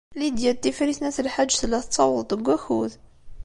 Lidya n Tifrit n At Lḥaǧ tella tettaweḍ-d deg wakud.